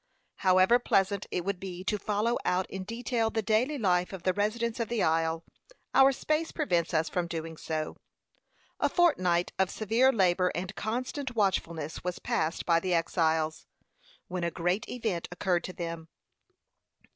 However pleasant it would be to follow out in detail the daily life of the residents of the isle, our space prevents us from doing so. A fortnight of severe labor and constant watchfulness was passed by the exiles, when a great event occurred to them.